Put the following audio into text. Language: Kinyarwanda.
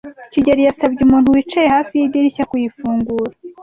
kigeli yasabye umuntu wicaye hafi yidirishya kuyifungura.